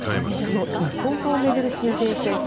その一本化を巡る神経戦